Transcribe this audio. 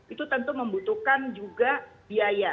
itu tentu membutuhkan juga biaya